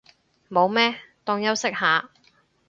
冇咩，當休息下